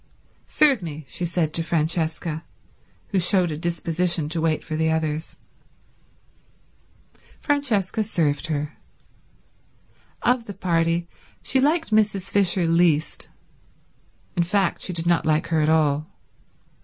"Serve me," she said to Francesca, who showed a disposition to wait for the others. Francesca served her. Of the party she liked Mrs. Fisher least, in fact she did not like her at all.